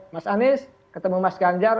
mas anies ketemu mas ganjar